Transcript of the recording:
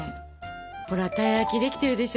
ほらたい焼きできてるでしょ？